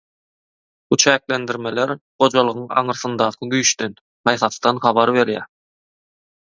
Bu çäklendirmeler gojalygyň aňyrsyndaky güýçden, paýhasdan habar berýär.